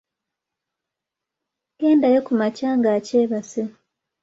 Gendayo kumakya ng'akyebase.